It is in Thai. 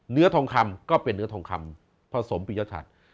เนื้อทองคำก็เป็นเนื้อทองคำผสมปียชัด